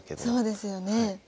そうですよね。